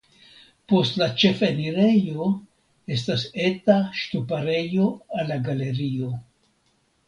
Post la ĉefenirejo estas eta ŝtuparejo al la galerio.